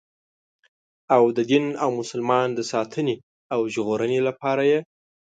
او د دین او مسلمان د ساتنې او ژغورنې لپاره یې.